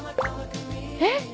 えっ？